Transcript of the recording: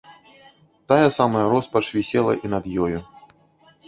Тая самая роспач вісела і над ёю.